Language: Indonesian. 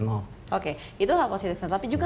mau oke itu hal positif tapi juga